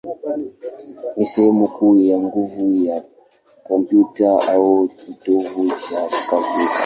ni sehemu kuu ya nguvu ya kompyuta, au kitovu cha kompyuta.